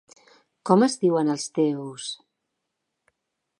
Com es diuen els teus...?